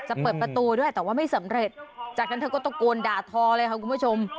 จะเปิดประตูด้วยแต่ว่าไม่สำเร็จจากนั้นเธอก็ตะโกนด่าทอเลยค่ะคุณผู้ชม